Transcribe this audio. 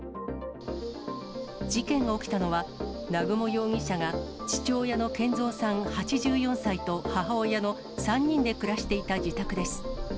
事件が起きたのは南雲容疑者が、父親の賢蔵さん８４歳と、母親の３人で暮らしていた自宅です。